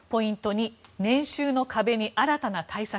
２年収の壁に新たな対策。